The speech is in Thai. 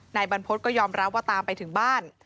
นายบรรพฤษก็ยอมรับว่าตามไปถึงบ้าน